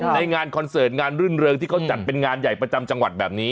ในงานคอนเสิร์ตงานรื่นเริงที่เขาจัดเป็นงานใหญ่ประจำจังหวัดแบบนี้